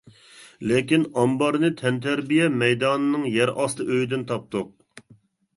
لېكىن ئامبارنى تەنتەربىيە مەيدانىنىڭ يەر ئاستى ئۆيىدىن تاپتۇق.